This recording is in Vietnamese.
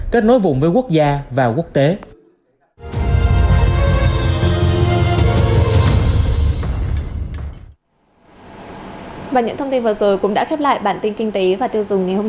kết nối vùng với quốc gia và quốc tế